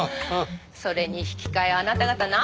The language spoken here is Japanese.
それに引き換えあなた方なんですの？